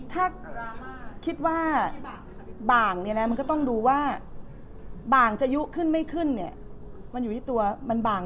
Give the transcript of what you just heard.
ถ้าคิดว่าบางเนี่ยนะมันก็ต้องดูว่าบางจะยุขึ้นไม่ขึ้นเนี่ยมันอยู่ที่ตัวมันบาง